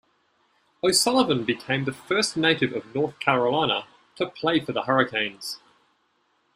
O'Sullivan became the first native of North Carolina to play for the Hurricanes.